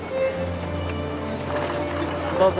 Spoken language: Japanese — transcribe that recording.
どうぞ。